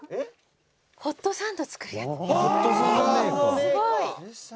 「すごい！」